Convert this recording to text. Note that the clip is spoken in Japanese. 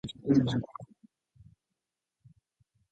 一軒、一軒、家を訪問して回っていると言う噂